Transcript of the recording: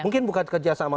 mungkin bukan kerjasama